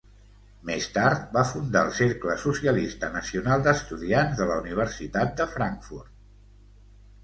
Més tard, va fundar el cercle Socialista Nacional d'estudiants de la Universitat de Frankfurt.